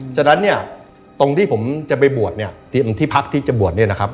ฉะนั้นเนี่ยตรงที่ผมจะไปบวชเนี่ยเตรียมที่พักที่จะบวชเนี่ยนะครับ